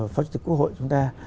phó chủ tịch quốc hội chúng ta